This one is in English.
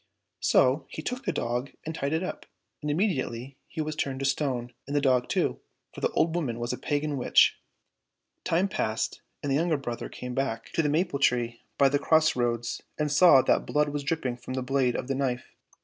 So he took the dog and tied it up, and immediately he was turned to stone, and the dog too, for the old woman was a pagan witch. Time passed, and the younger brother came back to 211 COSSACK FAIRY TALES the maple tree by the cross roads and saw that blood was dripping from the blade of the knife.